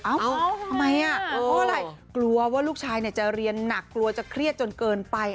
ทำไมอ่ะเพราะอะไรกลัวว่าลูกชายจะเรียนหนักกลัวจะเครียดจนเกินไป